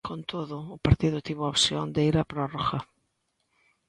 Con todo, o partido tivo a opción de ir a prorroga.